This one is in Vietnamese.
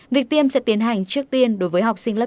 việc tiêm sẽ tiến hành trước tiên đối với học sinh